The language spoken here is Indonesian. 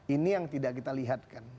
ini yang tidak kita lihatkan